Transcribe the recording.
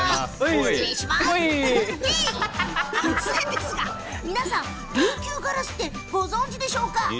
突然ですが、皆さん琉球ガラスってご存じですか。